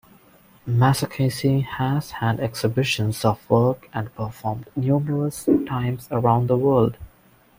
Massaccesi has had exhibitions of work and performed numerous times around the world.